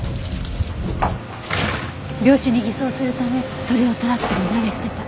病死に偽装するためそれをトラックに投げ捨てた。